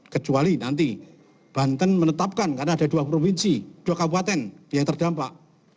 kecuali nanti banten menetapkan karena ada dua provinsi dua kabupaten yang terdampak